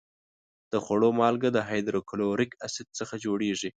د خوړو مالګه د هایدروکلوریک اسید څخه جوړیږي.